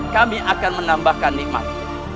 kami akan menambahkan nikmat